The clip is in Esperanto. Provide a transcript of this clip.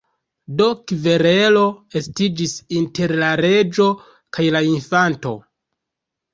Do, kverelo estiĝis inter la reĝo kaj la Infanto.